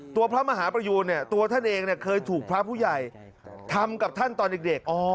พระมหาประยูนเนี่ยตัวท่านเองเคยถูกพระผู้ใหญ่ทำกับท่านตอนเด็ก